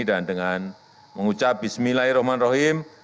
dan dengan mengucap bismillahirrahmanirrahim